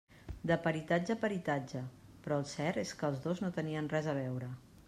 De peritatge a peritatge, però el cert és que els dos no tenien res a veure.